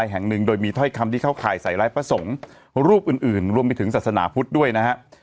แห่งหนึ่งโดยมีถ้อยคำที่เข้าข่ายใส่ร้ายพระสงฆ์รูปอื่นรวมไปถึงศาสนาพุทธด้วยนะฮะ